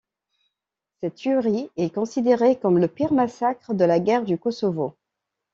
Cette tuerie est considérée comme le pire massacre de la guerre du Kosovo.